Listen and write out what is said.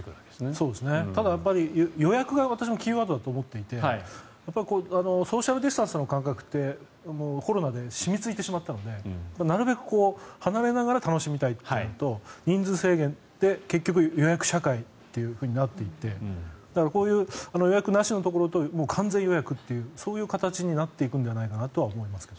私も予約がキーワードだと思っていてソーシャル・ディスタンスの感覚ってコロナで染みついてしまったのでなるべく離れながら楽しみたいというのと人数制限で結局、予約社会となっていってこういう予約なしのところと完全予約というそういう形になっていくのではないかと思いますね。